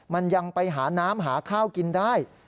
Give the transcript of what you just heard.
มันยังไปหาน้ำหาข้าวกินได้